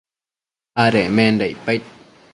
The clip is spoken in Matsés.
adecmenda icpaid